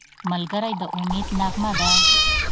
ملګری د امید نغمه ده